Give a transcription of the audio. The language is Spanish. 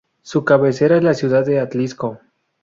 Su cabecera es la ciudad de Atlixco.